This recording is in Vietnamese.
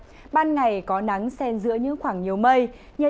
bên bình ban ngày có nắng xen giữa những khoảng nhiều mây